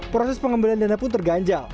proses pengembalian dana pun terganjal